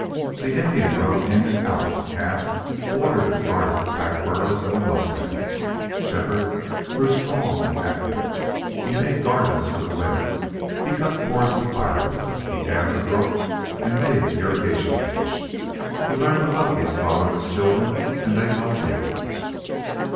The Indian rode in and out of camp, watered and guarded the pack burros and the mustangs. Shefford grew strong and active. He made gardens for the women; he cut cords of fire wood; he dammed the brook and made an irrigation ditch; he learned to love these fatherless children, and they loved him.